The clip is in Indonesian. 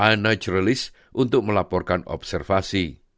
inaturalist untuk melaporkan observasi